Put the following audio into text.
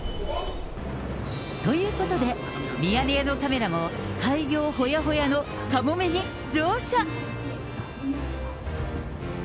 ということで、ミヤネ屋のカメラも、開業ほやほやのかもめに乗車。